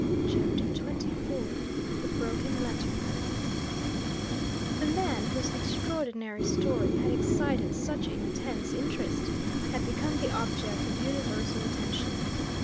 CHAPTER XXIV THE BROKEN LETTER The man whose extraordinary story had excited such intense interest had become the object of universal attention.